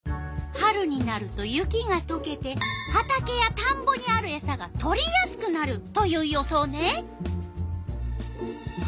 春になると雪がとけて畑やたんぼにあるエサがとりやすくなるという予想ね。